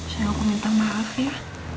sayang aku minta maaf ya